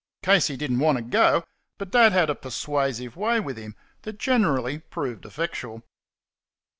Casey did n't want to go; but Dad had a persuasive way with him that generally proved effectual.